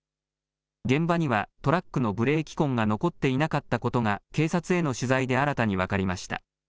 現場にはトラックのブレーキ痕が残っていなかったことが警察への取材で新たに分かりました。